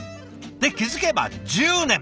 で気付けば１０年。